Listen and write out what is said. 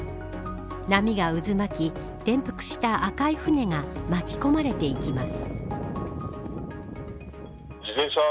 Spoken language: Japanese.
波が渦巻き、転覆した赤い船が巻き込まれていきます。